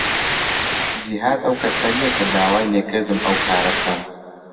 جیهاد ئەو کەسە نییە کە داوای لێ کردم ئەو کارە بکەم.